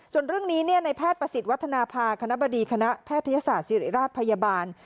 ส่วนเรื่องนี้ในแพทย์ประสิทธิ์วัฒนภาคณะบดีคณะแพทยศาสตร์ศิริราชพยาบาล